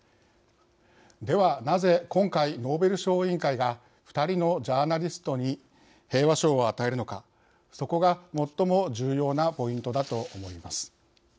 ではなぜ、今回ノーベル賞委員会が２人のジャーナリストに平和賞を与えるのかそこが最も重要なポイントだと思います。